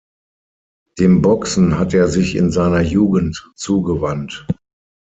Dem Boxen hat er sich in seiner Jugend zugewandt.